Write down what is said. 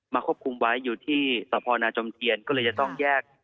ควบคุมไว้อยู่ที่สพนาจมเทียนก็เลยจะต้องแยก